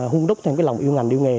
hung đúc thêm cái lòng yêu ngành yêu nghề